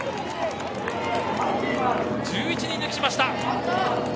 １１人抜きをしました。